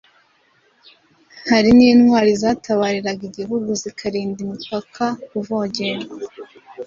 Hari n’intwari zatabariraga Igihugu zikarinda imipaka kuvogerwa.